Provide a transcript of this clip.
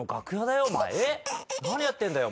何やってんだよ？